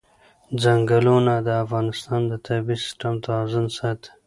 چنګلونه د افغانستان د طبعي سیسټم توازن ساتي.